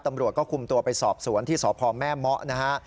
ตำรวจก็คุมตัวไปสอบสวนที่สพแม่เมาะนะฮะ